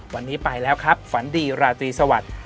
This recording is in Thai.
วันนี้ไปแล้วครับฝันดีราตรีสวัสดิ์